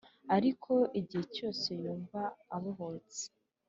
ariko igihe cyose yumva abohotse